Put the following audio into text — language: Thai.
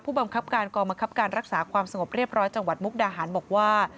บังคับการกองบังคับการรักษาความสงบเรียบร้อยจังหวัดมุกดาหารบอกว่า